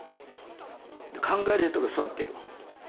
「考える人」が座っている。